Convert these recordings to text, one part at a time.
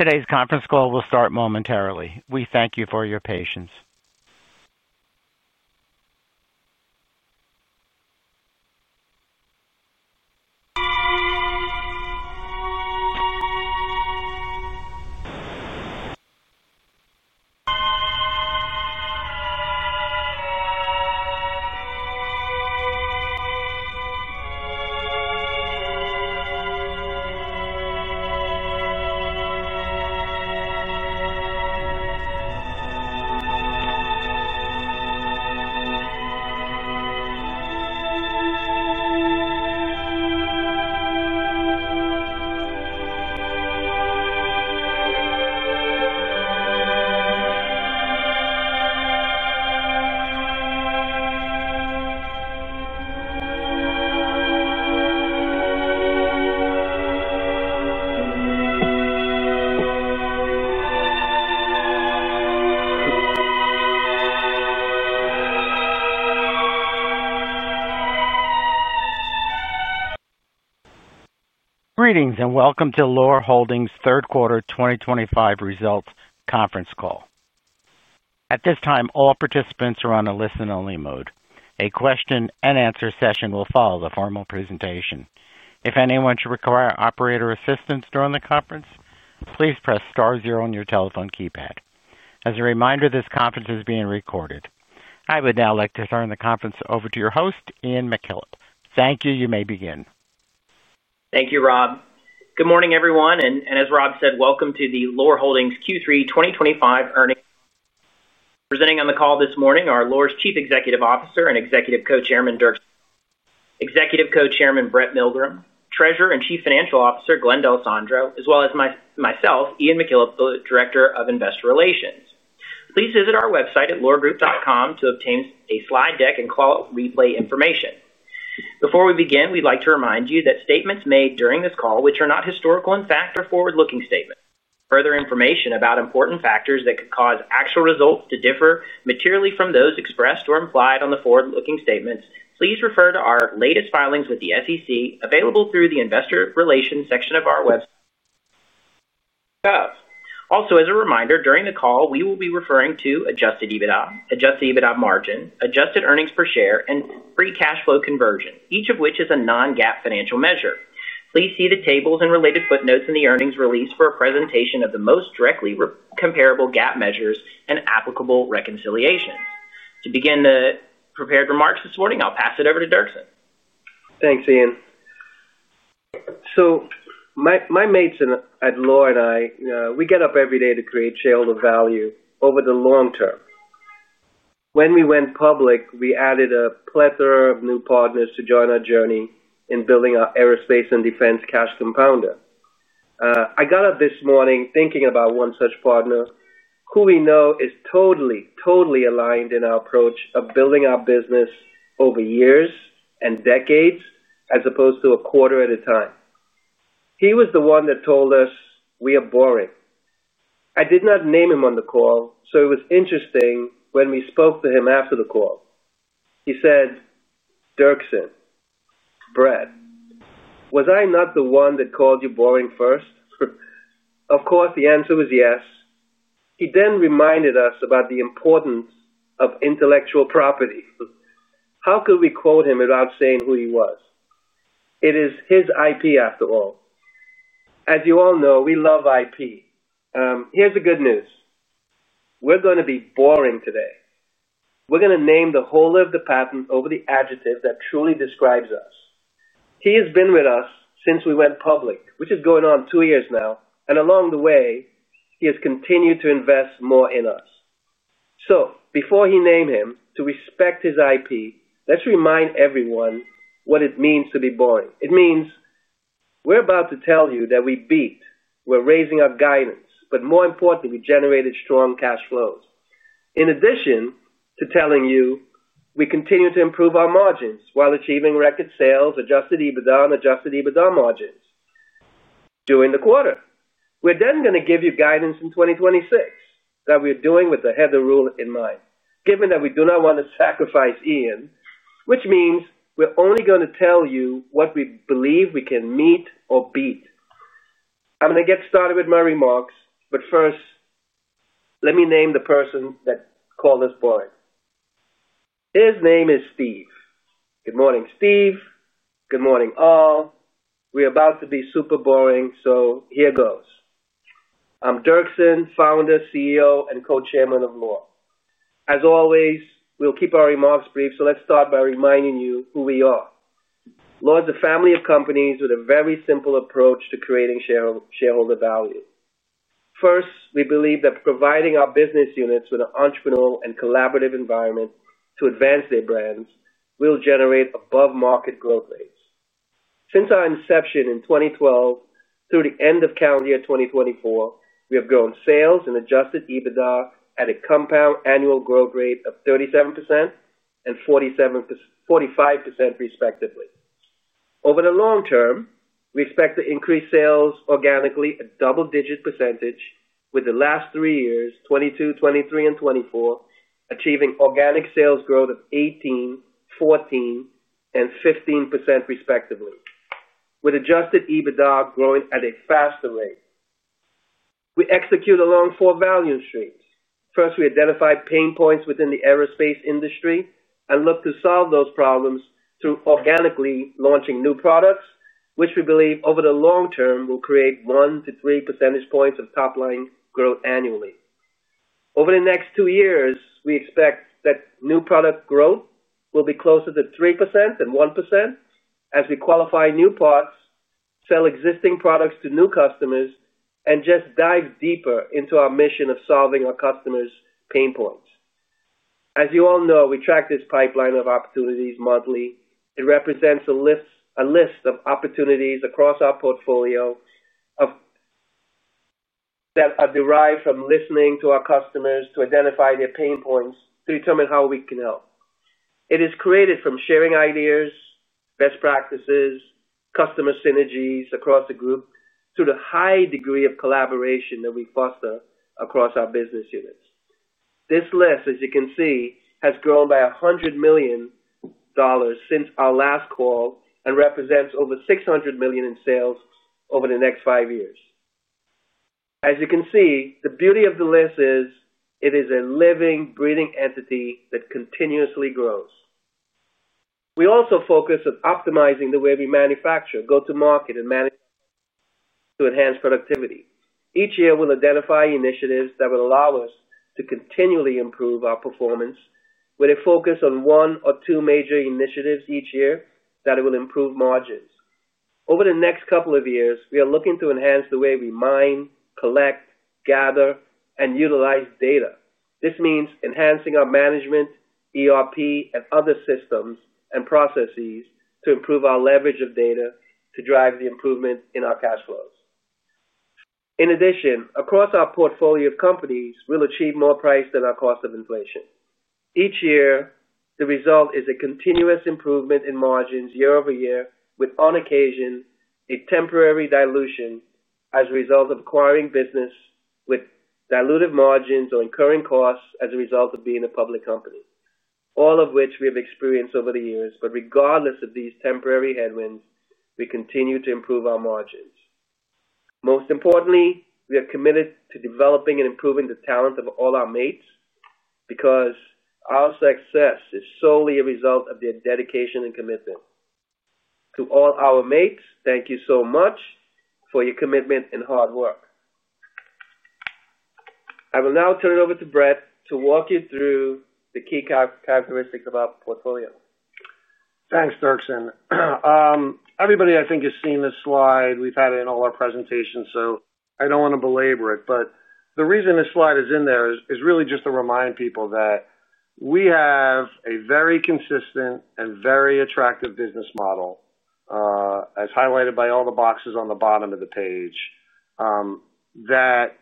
Today's conference call will start momentarily. We thank you for your patience. Greetings and welcome to Loar Holdings' third quarter 2025 results conference call. At this time, all participants are on a listen-only mode. A question-and-answer session will follow the formal presentation. If anyone should require operator assistance during the conference, please press star zero on your telephone keypad. As a reminder, this conference is being recorded. I would now like to turn the conference over to your host, Ian McKillop. Thank you. You may begin. Thank you, Rob. Good morning, everyone. As Rob said, welcome to the Loar Holdings Q3 2025 earnings. Presenting on the call this morning are Loar's Chief Executive Officer and Executive Co-Chairman Brett Milgrim, Treasurer and Chief Financial Officer Glenn D'Alessandro, as well as myself, Ian McKillop, the Director of Investor Relations. Please visit our website at loargroup.com to obtain a slide deck and call-out replay information. Before we begin, we'd like to remind you that statements made during this call, which are not historical in fact or forward-looking statements, further information about important factors that could cause actual results to differ materially from those expressed or implied on the forward-looking statements, please refer to our latest filings with the SEC available through the Investor Relations section of our website. Also, as a reminder, during the call, we will be referring to adjusted EBITDA, adjusted EBITDA margin, adjusted earnings per share, and free cash flow conversion, each of which is a non-GAAP financial measure. Please see the tables and related footnotes in the earnings release for a presentation of the most directly comparable GAAP measures and applicable reconciliations. To begin the prepared remarks this morning, I'll pass it over to Dirk. Thanks, Ian. So my mates at Loar and I, we get up every day to create shareholder value over the long term. When we went public, we added a plethora of new partners to join our journey in building our aerospace and defense cash compounder. I got up this morning thinking about one such partner who we know is totally, totally aligned in our approach of building our business over years and decades as opposed to a quarter at a time. He was the one that told us, "We are boring." I did not name him on the call, so it was interesting when we spoke to him after the call. He said, "Dirk, Brett, was I not the one that called you boring first?" Of course, the answer was yes. He then reminded us about the importance of intellectual property. How could we quote him without saying who he was? It is his IP, after all. As you all know, we love IP. Here's the good news. We're going to be boring today. We're going to name the whole of the patent over the adjective that truly describes us. He has been with us since we went public, which is going on two years now. Along the way, he has continued to invest more in us. Before we name him, to respect his IP, let's remind everyone what it means to be boring. It means we're about to tell you that we beat, we're raising our guidance, but more importantly, we generated strong cash flows. In addition to telling you, we continue to improve our margins while achieving record sales, adjusted EBITDA, and adjusted EBITDA margins during the quarter. We're then going to give you guidance in 2026 that we are doing with the header rule in mind, given that we do not want to sacrifice Ian, which means we're only going to tell you what we believe we can meet or beat. I'm going to get started with my remarks, but first, let me name the person that called us boring. His name is Steve. Good morning, Steve. Good morning, all. We're about to be super boring, so here goes. I'm Dirk Charles, founder, CEO, and Co-Chairman of Loar. As always, we'll keep our remarks brief, so let's start by reminding you who we are. Loar is a family of companies with a very simple approach to creating shareholder value. First, we believe that providing our business units with an entrepreneurial and collaborative environment to advance their brands will generate above-market growth rates. Since our inception in 2012, through the end of calendar year 2024, we have grown sales and adjusted EBITDA at a compound annual growth rate of 37% and 47%, 45% respectively. Over the long term, we expect to increase sales organically at double-digit percentage, with the last three years, 2022, 2023, and 2024, achieving organic sales growth of 18%, 14%, and 15% respectively, with adjusted EBITDA growing at a faster rate. We execute along four value streams. First, we identify pain points within the aerospace industry and look to solve those problems through organically launching new products, which we believe over the long term will create one to three percentage points of top-line growth annually. Over the next two years, we expect that new product growth will be closer to 3% and 1% as we qualify new parts, sell existing products to new customers, and just dive deeper into our mission of solving our customers' pain points. As you all know, we track this pipeline of opportunities monthly. It represents a list of opportunities across our portfolio that are derived from listening to our customers to identify their pain points to determine how we can help. It is created from sharing ideas, best practices, customer synergies across the group, through the high degree of collaboration that we foster across our business units. This list, as you can see, has grown by $100 million since our last call and represents over $600 million in sales over the next five years. As you can see, the beauty of the list is it is a living, breathing entity that continuously grows. We also focus on optimizing the way we manufacture, go to market, and manage to enhance productivity. Each year, we'll identify initiatives that will allow us to continually improve our performance with a focus on one or two major initiatives each year that will improve margins. Over the next couple of years, we are looking to enhance the way we mine, collect, gather, and utilize data. This means enhancing our management, ERP, and other systems and processes to improve our leverage of data to drive the improvement in our cash flows. In addition, across our portfolio of companies, we'll achieve more price than our cost of inflation. Each year, the result is a continuous improvement in margins year over year, with on occasion a temporary dilution as a result of acquiring business with diluted margins or incurring costs as a result of being a public company, all of which we have experienced over the years. Regardless of these temporary headwinds, we continue to improve our margins. Most importantly, we are committed to developing and improving the talent of all our mates because our success is solely a result of their dedication and commitment. To all our mates, thank you so much for your commitment and hard work. I will now turn it over to Brett to walk you through the key characteristics of our portfolio. Thanks, Dirkson. Everybody, I think, has seen this slide. We've had it in all our presentations, so I don't want to belabor it. The reason this slide is in there is really just to remind people that we have a very consistent and very attractive business model, as highlighted by all the boxes on the bottom of the page, that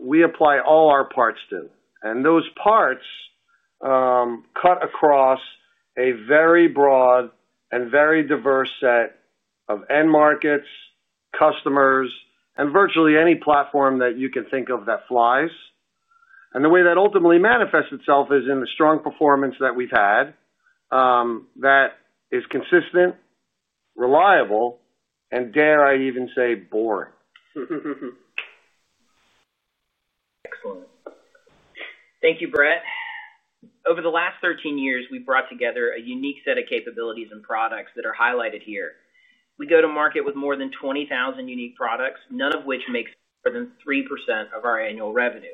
we apply all our parts to. Those parts cut across a very broad and very diverse set of end markets, customers, and virtually any platform that you can think of that flies. The way that ultimately manifests itself is in the strong performance that we've had that is consistent, reliable, and dare I even say boring. Excellent. Thank you, Brett. Over the last 13 years, we've brought together a unique set of capabilities and products that are highlighted here. We go to market with more than 20,000 unique products, none of which makes more than 3% of our annual revenue.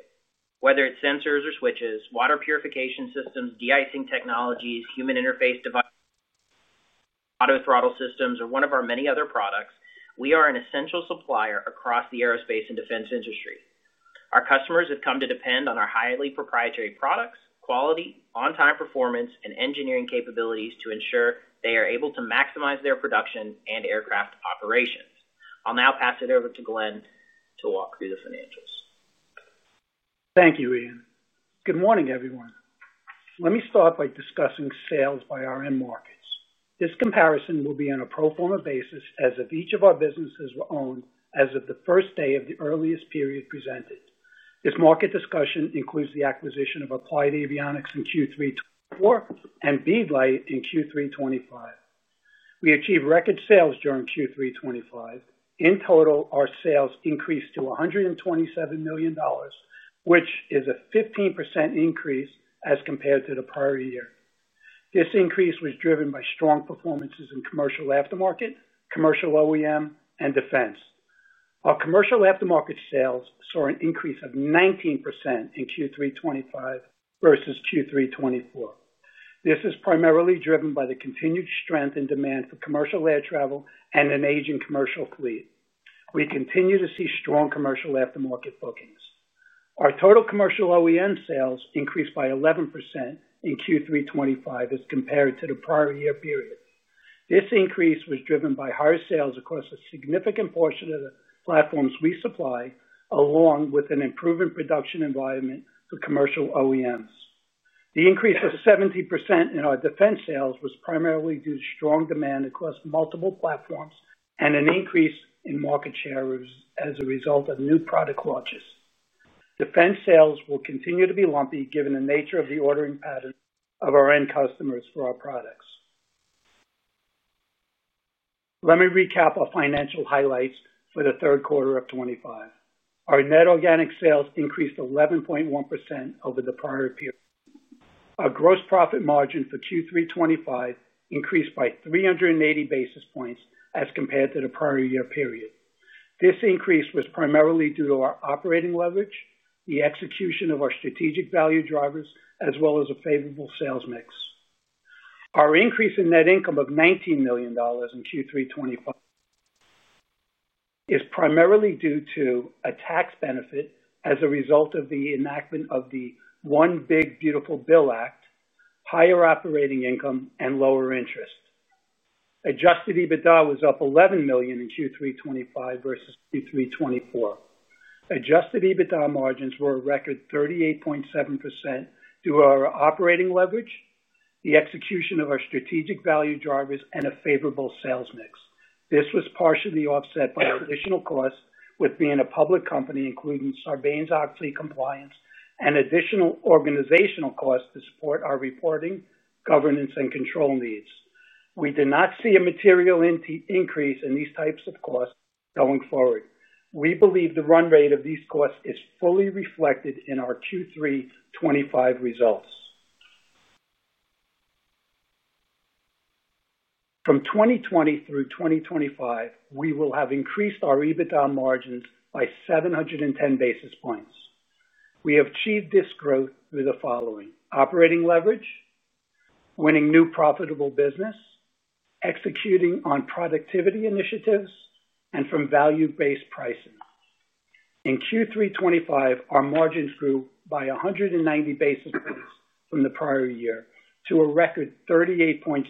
Whether it's sensors or switches, water purification systems, de-icing technologies, human interface devices, auto throttle systems, or one of our many other products, we are an essential supplier across the aerospace and defense industry. Our customers have come to depend on our highly proprietary products, quality, on-time performance, and engineering capabilities to ensure they are able to maximize their production and aircraft operations. I'll now pass it over to Glenn to walk through the financials. Thank you, Ian. Good morning, everyone. Let me start by discussing sales by our end markets. This comparison will be on a pro forma basis as if each of our businesses were owned as of the first day of the earliest period presented. This market discussion includes the acquisition of Applied Avionics in Q3 2024 and BeeLite in Q3 2025. We achieved record sales during Q3 2025. In total, our sales increased to $127 million, which is a 15% increase as compared to the prior year. This increase was driven by strong performances in commercial aftermarket, commercial OEM, and defense. Our commercial aftermarket sales saw an increase of 19% in Q3 2025 versus Q3 2024. This is primarily driven by the continued strength in demand for commercial air travel and an aging commercial fleet. We continue to see strong commercial aftermarket bookings. Our total commercial OEM sales increased by 11% in Q3 2025 as compared to the prior year period. This increase was driven by higher sales across a significant portion of the platforms we supply, along with an improved production environment for commercial OEMs. The increase of 70% in our defense sales was primarily due to strong demand across multiple platforms and an increase in market share as a result of new product launches. Defense sales will continue to be lumpy given the nature of the ordering pattern of our end customers for our products. Let me recap our financial highlights for the third quarter of 2025. Our net organic sales increased 11.1% over the prior period. Our gross profit margin for Q3 2025 increased by 380 basis points as compared to the prior year period. This increase was primarily due to our operating leverage, the execution of our strategic value drivers, as well as a favorable sales mix. Our increase in net income of $19 million in Q3 2025 is primarily due to a tax benefit as a result of the enactment of the One Big Beautiful Bill Act, higher operating income, and lower interest. Adjusted EBITDA was up $11 million in Q3 2025 versus Q3 2024. Adjusted EBITDA margins were a record 38.7% due to our operating leverage, the execution of our strategic value drivers, and a favorable sales mix. This was partially offset by additional costs with being a public company, including Sarbanes-Oxley compliance and additional organizational costs to support our reporting, governance, and control needs. We did not see a material increase in these types of costs going forward. We believe the run rate of these costs is fully reflected in our Q3 2025 results. From 2020 through 2025, we will have increased our EBITDA margins by 710 basis points. We have achieved this growth through the following: operating leverage, winning new profitable business, executing on productivity initiatives, and from value-based pricing. In Q3 2025, our margins grew by 190 basis points from the prior year to a record 38.7%.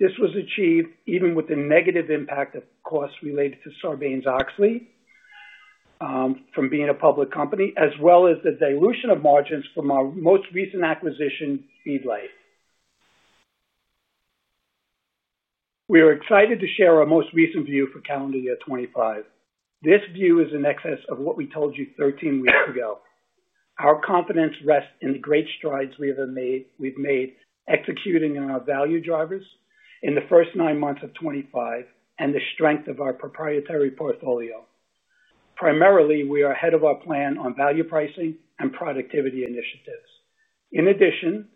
This was achieved even with the negative impact of costs related to Sarbanes-Oxley from being a public company, as well as the dilution of margins from our most recent acquisition, BeeLite. We are excited to share our most recent view for calendar year 2025. This view is in excess of what we told you 13 weeks ago. Our confidence rests in the great strides we have made executing on our value drivers in the first nine months of 2025 and the strength of our proprietary portfolio. Primarily, we are ahead of our plan on value pricing and productivity initiatives. In addition,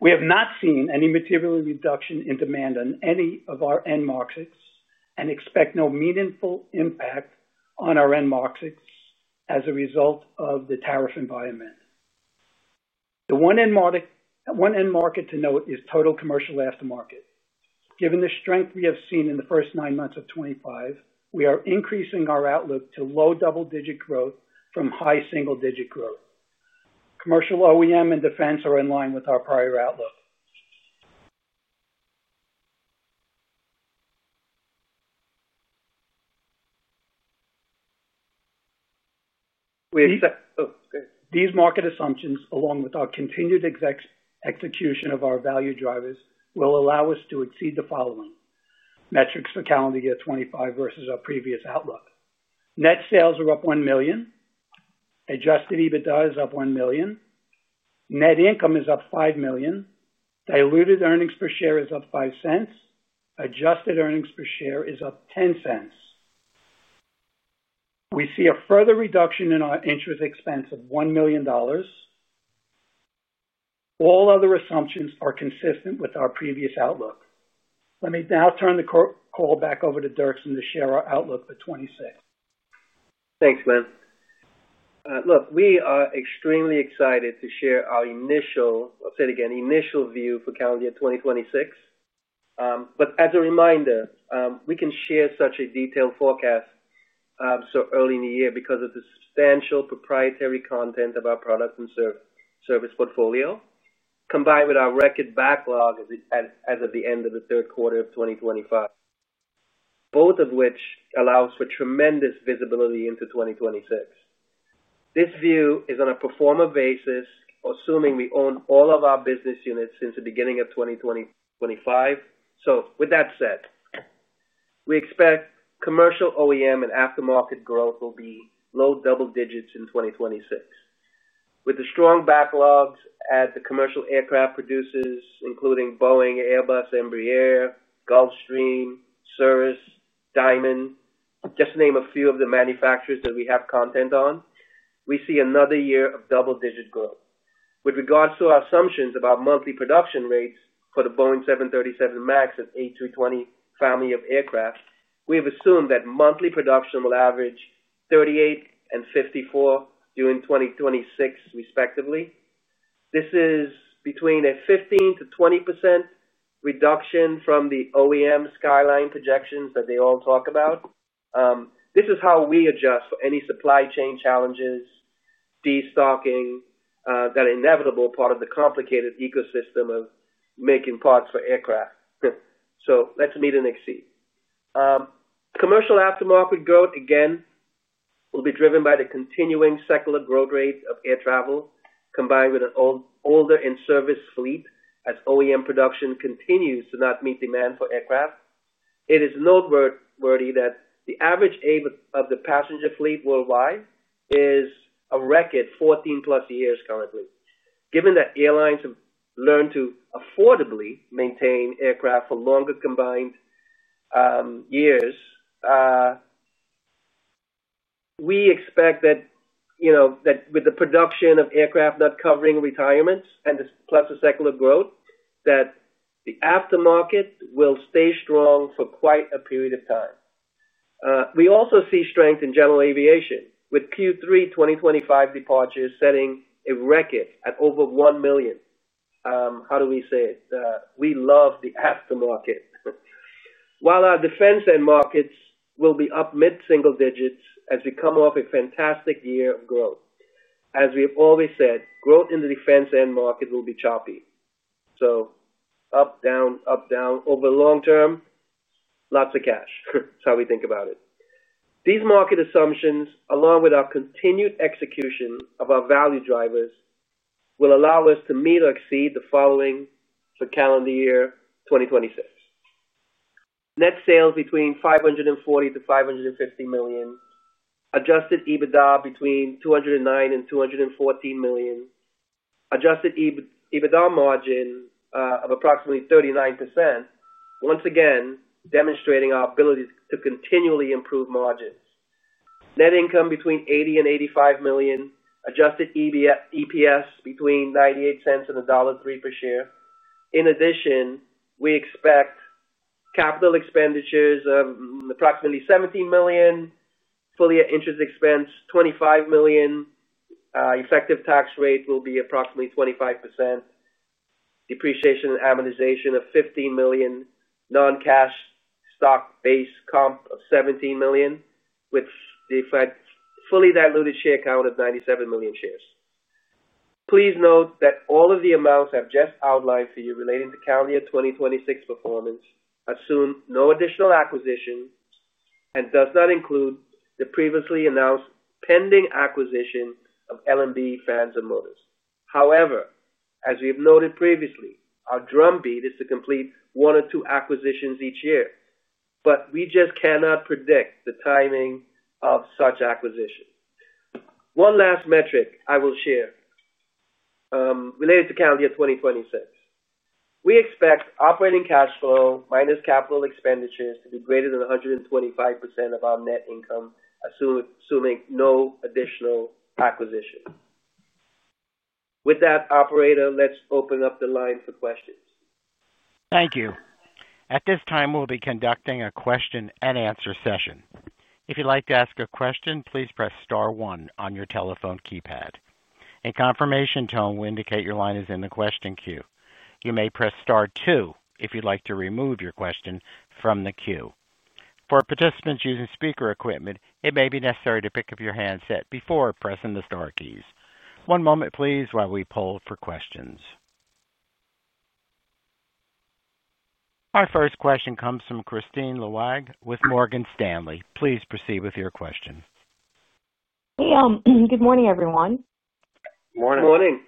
we have not seen any material reduction in demand on any of our end markets and expect no meaningful impact on our end markets as a result of the tariff environment. The one end market to note is total commercial aftermarket. Given the strength we have seen in the first nine months of 2025, we are increasing our outlook to low double-digit growth from high single-digit growth. Commercial OEM and defense are in line with our prior outlook. We accept these market assumptions, along with our continued execution of our value drivers, will allow us to exceed the following metrics for calendar year 2025 versus our previous outlook. Net sales are up $1 million. Adjusted EBITDA is up $1 million. Net income is up $5 million. Diluted earnings per share is up $0.05. Adjusted earnings per share is up $0.10. We see a further reduction in our interest expense of $1 million. All other assumptions are consistent with our previous outlook. Let me now turn the call back over to Dirk Charles to share our outlook for 2026. Thanks, Glenn. Look, we are extremely excited to share our initial—I'll say it again—initial view for calendar year 2026. As a reminder, we can share such a detailed forecast so early in the year because of the substantial proprietary content of our products and service portfolio, combined with our record backlog as of the end of the third quarter of 2025, both of which allow us tremendous visibility into 2026. This view is on a pro forma basis, assuming we own all of our business units since the beginning of 2025. With that said, we expect commercial OEM and aftermarket growth will be low double digits in 2026. With the strong backlogs at the commercial aircraft producers, including Boeing, Airbus, Embraer, Gulfstream, Cirrus, Diamond, just to name a few of the manufacturers that we have content on, we see another year of double-digit growth. With regards to our assumptions about monthly production rates for the Boeing 737 MAX and A320 family of aircraft, we have assumed that monthly production will average 38 and 54 during 2026, respectively. This is between a 15%-20% reduction from the OEM skyline projections that they all talk about. This is how we adjust for any supply chain challenges, destocking that are inevitable part of the complicated ecosystem of making parts for aircraft. Let's meet and exceed. Commercial aftermarket growth, again, will be driven by the continuing cyclical growth rate of air travel, combined with an older in-service fleet as OEM production continues to not meet demand for aircraft. It is noteworthy that the average age of the passenger fleet worldwide is a record 14-plus years currently. Given that airlines have learned to affordably maintain aircraft for longer combined years, we expect that with the production of aircraft not covering retirements and plus the cyclical growth, that the aftermarket will stay strong for quite a period of time. We also see strength in general aviation, with Q3 2025 departures setting a record at over 1 million. How do we say it? We love the aftermarket. While our defense end markets will be up mid-single digits as we come off a fantastic year of growth. As we have always said, growth in the defense end market will be choppy. So up, down, up, down. Over the long term, lots of cash. That's how we think about it. These market assumptions, along with our continued execution of our value drivers, will allow us to meet or exceed the following for calendar year 2026. Net sales between $540 million-$550 million. Adjusted EBITDA between $209 million-$214 million. Adjusted EBITDA margin of approximately 39%, once again demonstrating our ability to continually improve margins. Net income between $80 million-$85 million. Adjusted EPS between $0.98 and $1.03 per share. In addition, we expect capital expenditures of approximately $17 million. Fully interest expense, $25 million. Effective tax rate will be approximately 25%. Depreciation and amortization of $15 million. Non-cash stock base comp of $17 million, which deflects fully diluted share count of 97 million shares. Please note that all of the amounts I've just outlined for you relating to calendar year 2026 performance assume no additional acquisition and do not include the previously announced pending acquisition of L&B Fans & Motors. However, as we have noted previously, our drumbeat is to complete one or two acquisitions each year, but we just cannot predict the timing of such acquisitions. One last metric I will share related to calendar year 2026. We expect operating cash flow minus capital expenditures to be greater than 125% of our net income, assuming no additional acquisitions. With that, operator, let's open up the line for questions. Thank you. At this time, we'll be conducting a question and answer session. If you'd like to ask a question, please press star one on your telephone keypad. A confirmation tone will indicate your line is in the question queue. You may press star two if you'd like to remove your question from the queue. For participants using speaker equipment, it may be necessary to pick up your handset before pressing the star keys. One moment, please, while we poll for questions. Our first question comes from Kristine Liwag with Morgan Stanley. Please proceed with your question. Hey, good morning, everyone. Good morning.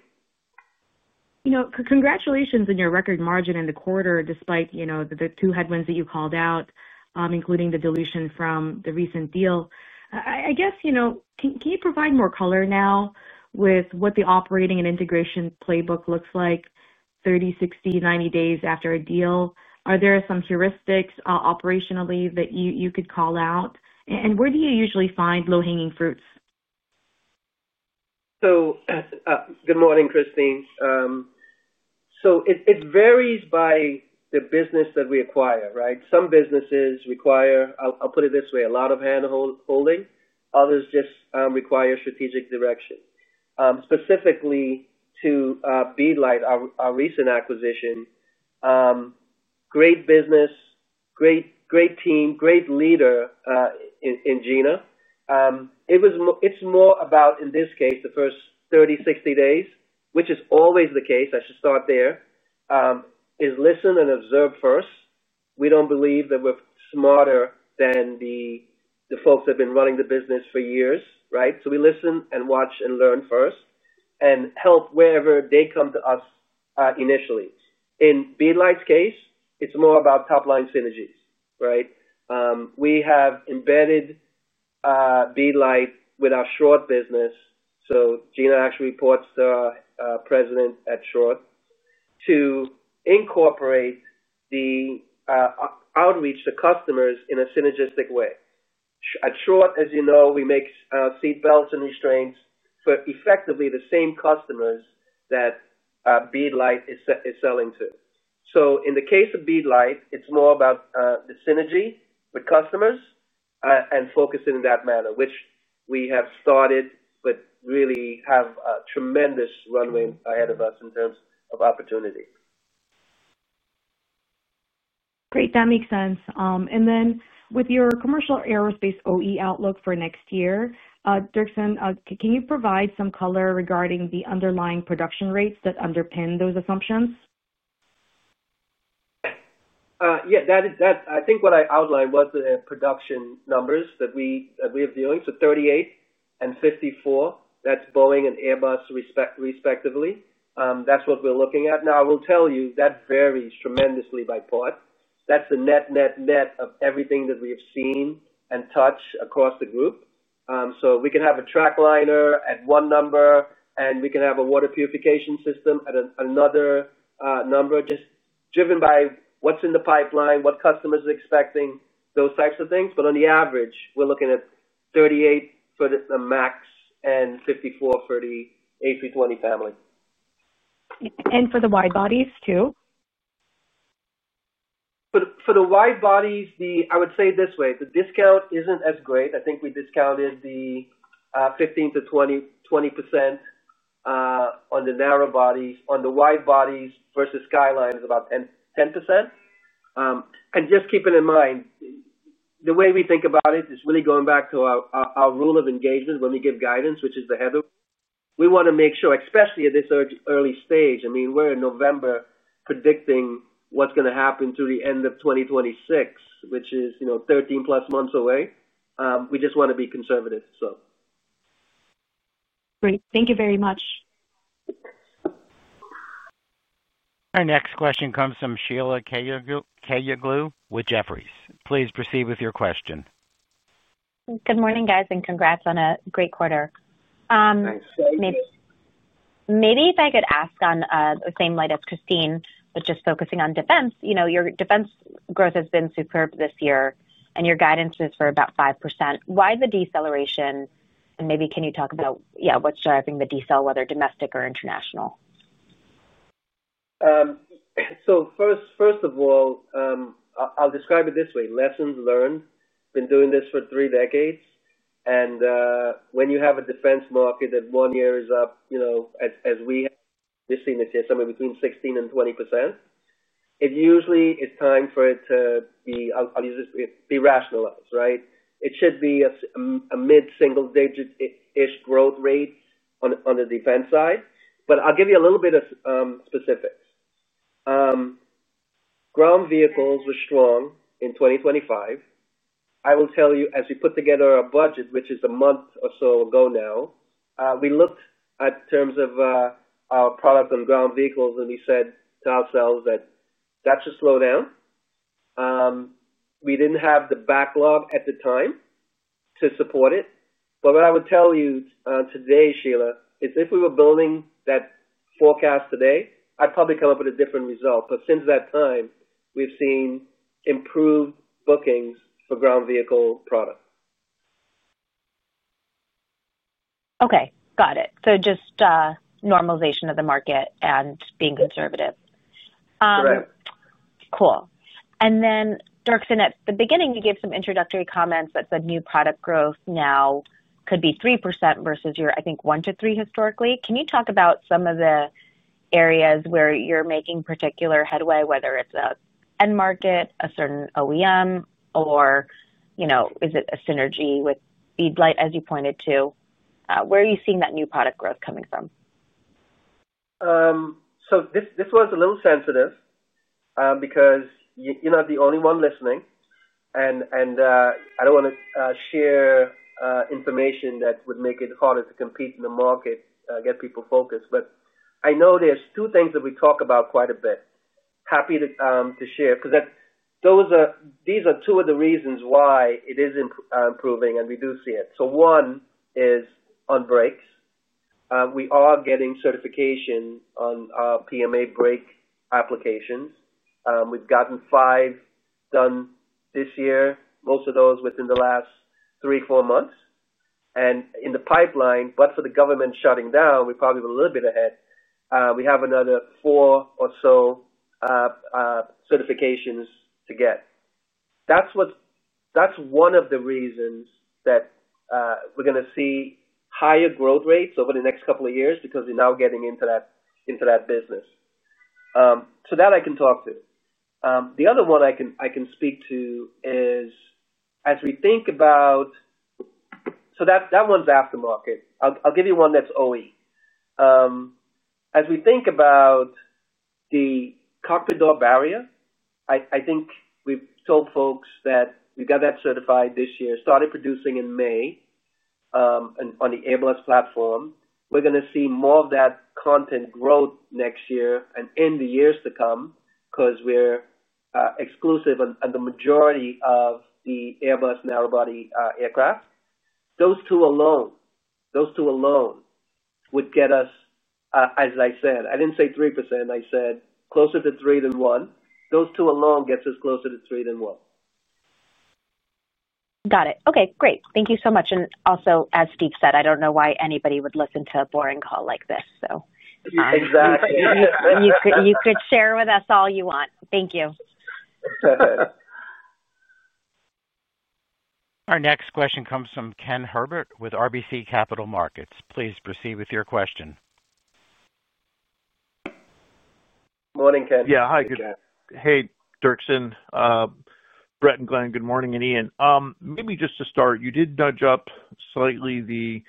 Good morning. Congratulations on your record margin in the quarter, despite the two headwinds that you called out, including the dilution from the recent deal. I guess, can you provide more color now with what the operating and integration playbook looks like 30, 60, 90 days after a deal? Are there some heuristics operationally that you could call out? Where do you usually find low-hanging fruits? Good morning, Kristine. It varies by the business that we acquire, right? Some businesses require, I'll put it this way, a lot of handholding. Others just require strategic direction. Specifically to BeeLite, our recent acquisition, great business, great team, great leader in Gina. It's more about, in this case, the first 30-60 days, which is always the case. I should start there, is listen and observe first. We don't believe that we're smarter than the folks that have been running the business for years, right? We listen and watch and learn first and help wherever they come to us initially. In BeeLite's case, it's more about top-line synergies, right? We have embedded BeeLite with our Schwartz business. Gina actually reports to our President at Schwartz to incorporate the outreach to customers in a synergistic way. At Schwartz, as you know, we make seat belts and restraints for effectively the same customers that BeeLite is selling to. In the case of BeeLite, it is more about the synergy with customers and focusing in that manner, which we have started but really have a tremendous runway ahead of us in terms of opportunity. Great. That makes sense. With your commercial aerospace OE outlook for next year, Dirkson, can you provide some color regarding the underlying production rates that underpin those assumptions? Yeah. I think what I outlined was the production numbers that we have dealing. So 38 and 54, that's Boeing and Airbus respectively. That's what we're looking at. Now, I will tell you that varies tremendously by part. That's the net, net, net of everything that we have seen and touched across the group. We can have a track liner at one number, and we can have a water purification system at another number, just driven by what's in the pipeline, what customers are expecting, those types of things. On the average, we're looking at 38 for the MAX and 54 for the A320 family. For the wide bodies too? For the wide bodies, I would say it this way. The discount isn't as great. I think we discounted the 15%-20% on the narrow bodies. On the wide bodies versus skyline, it's about 10%. Just keeping in mind, the way we think about it is really going back to our rule of engagement when we give guidance, which is the heavy. We want to make sure, especially at this early stage, I mean, we're in November predicting what's going to happen through the end of 2026, which is 13-plus months away. We just want to be conservative, so. Great. Thank you very much. Our next question comes from Sheila Kahyaoglu with Jefferies. Please proceed with your question. Good morning, guys, and congrats on a great quarter. Thanks. Maybe if I could ask on the same light as Kristine, but just focusing on defense. Your defense growth has been superb this year, and your guidance is for about 5%. Why the deceleration? Maybe can you talk about, yeah, what's driving the decel, whether domestic or international? First of all, I'll describe it this way: lessons learned. Been doing this for three decades. When you have a defense market that one year is up, as we have seen this year, somewhere between 16% and 20%, it usually is time for it to be—I will use this—be rationalized, right? It should be a mid-single-digit-ish growth rate on the defense side. I'll give you a little bit of specifics. Ground vehicles were strong in 2025. I will tell you, as we put together our budget, which is a month or so ago now, we looked at terms of our product on ground vehicles, and we said to ourselves that that should slow down. We did not have the backlog at the time to support it. What I would tell you today, Sheila, is if we were building that forecast today, I'd probably come up with a different result. Since that time, we've seen improved bookings for ground vehicle product. Okay. Got it. So just normalization of the market and being conservative. Correct. Cool. Dirkson, at the beginning, you gave some introductory comments that the new product growth now could be 3% versus your, I think, 1%-3% historically. Can you talk about some of the areas where you're making particular headway, whether it's an end market, a certain OEM, or is it a synergy with BeeLite, as you pointed to? Where are you seeing that new product growth coming from? This one's a little sensitive because you're not the only one listening, and I don't want to share information that would make it harder to compete in the market, get people focused. I know there's two things that we talk about quite a bit. Happy to share because these are two of the reasons why it is improving, and we do see it. One is on brakes. We are getting certification on our PMA brake applications. We've gotten five done this year, most of those within the last three, four months. In the pipeline, but for the government shutting down, we probably have a little bit ahead. We have another four or so certifications to get. That's one of the reasons that we're going to see higher growth rates over the next couple of years because we're now getting into that business. So that I can talk to. The other one I can speak to is, as we think about—so that one's aftermarket. I'll give you one that's OE. As we think about the cockpit door barrier, I think we've told folks that we got that certified this year, started producing in May on the ABLS platform. We're going to see more of that content grow next year and in the years to come because we're exclusive on the majority of the Airbus narrow-body aircraft. Those two alone, those two alone would get us, as I said—I didn't say 3%. I said closer to 3 than 1. Those two alone get us closer to 3 than 1. Got it. Okay. Great. Thank you so much. Also, as Steve said, I do not know why anybody would listen to a boring call like this, so. Exactly. You could share with us all you want. Thank you. Our next question comes from Ken Herbert with RBC Capital Markets. Please proceed with your question. Morning, Ken. Yeah. Hi, good. Hey, Dirkson. Brett and Glenn, good morning, and Ian. Maybe just to start, you did nudge up slightly the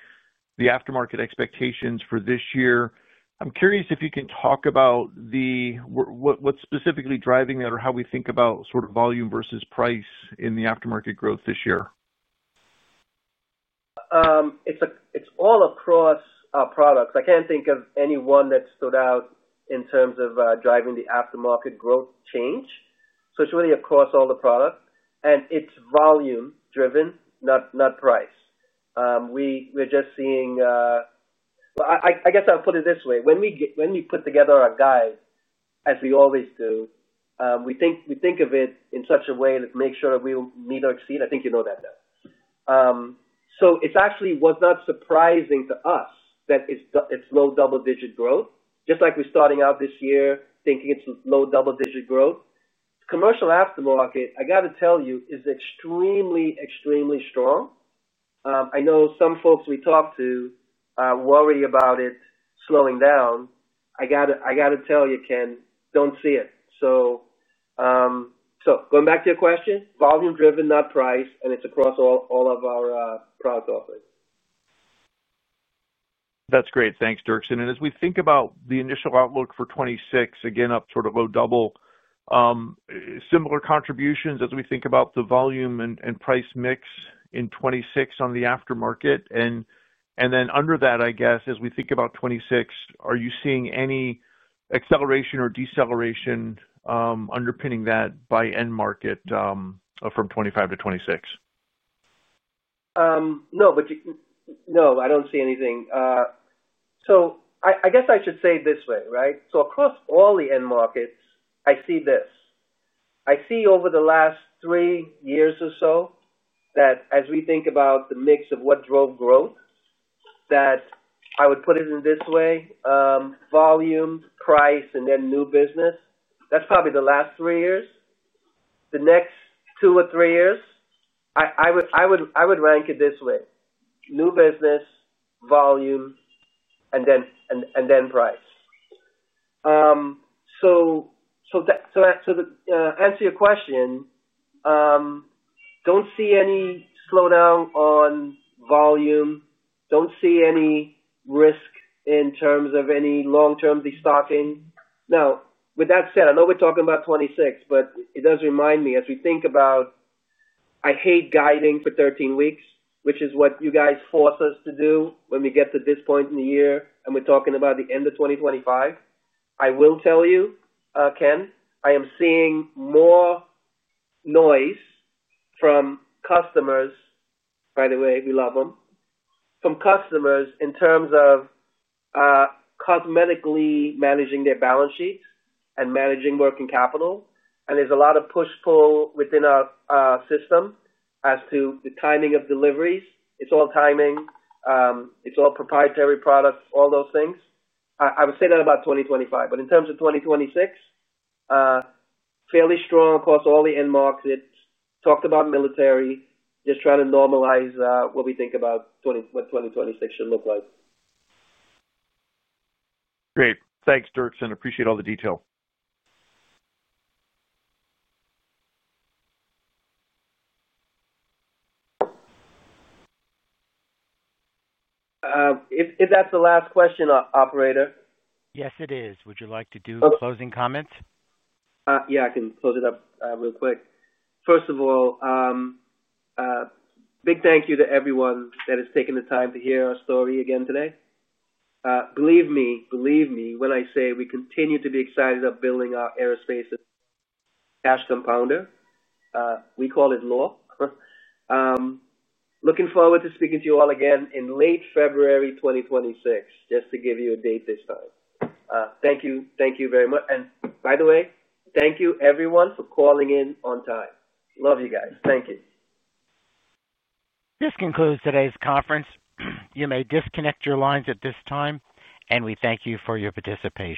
aftermarket expectations for this year. I'm curious if you can talk about what's specifically driving that or how we think about sort of volume versus price in the aftermarket growth this year. It's all across our products. I can't think of any one that stood out in terms of driving the aftermarket growth change. So it's really across all the products, and it's volume-driven, not price. We're just seeing—I guess I'll put it this way. When we put together our guide, as we always do, we think of it in such a way to make sure that we meet or exceed. I think you know that now. So it actually was not surprising to us that it's low double-digit growth, just like we're starting out this year thinking it's low double-digit growth. Commercial aftermarket, I got to tell you, is extremely, extremely strong. I know some folks we talk to worry about it slowing down. I got to tell you, Ken, don't see it. So going back to your question, volume-driven, not price, and it's across all of our product offering. That's great. Thanks, Dirk Charles. As we think about the initial outlook for 2026, again, up sort of low double, similar contributions as we think about the volume and price mix in 2026 on the aftermarket. Under that, I guess, as we think about 2026, are you seeing any acceleration or deceleration underpinning that by end market from 2025 to 2026? No, I don't see anything. I guess I should say it this way, right? Across all the end markets, I see this. I see over the last three years or so that as we think about the mix of what drove growth, I would put it in this way: volume, price, and then new business. That's probably the last three years. The next two or three years, I would rank it this way: new business, volume, and then price. To answer your question, don't see any slowdown on volume. Don't see any risk in terms of any long-term restocking. Now, with that said, I know we're talking about 2026, but it does remind me as we think about—I hate guiding. For 13 weeks, which is what you guys force us to do when we get to this point in the year, and we're talking about the end of 2025. I will tell you, Ken, I am seeing more noise from customers—by the way, we love them—from customers in terms of cosmetically managing their balance sheets and managing working capital. There is a lot of push-pull within our system as to the timing of deliveries. It is all timing. It is all proprietary products, all those things. I would say that about 2025. In terms of 2026, fairly strong across all the end markets. Talked about military, just trying to normalize what we think about what 2026 should look like. Great. Thanks, Dirk. Appreciate all the detail. If that's the last question, Operator. Yes, it is. Would you like to do closing comments? Yeah. I can close it up real quick. First of all, big thank you to everyone that has taken the time to hear our story again today. Believe me, believe me when I say we continue to be excited about building our aerospace cash compounder. We call it Loar. Looking forward to speaking to you all again in late February 2026, just to give you a date this time. Thank you. Thank you very much. By the way, thank you everyone for calling in on time. Love you guys. Thank you. This concludes today's conference. You may disconnect your lines at this time, and we thank you for your participation.